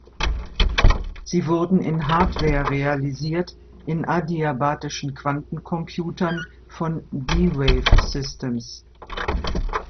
Sie wurden in Hardware realisiert in Adiabatischen Quantencomputern von D-Wave Systems.